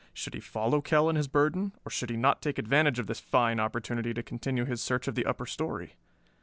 Should he follow Kell and his burden, or should he not take advantage of this fine opportunity to continue his search of the upper story?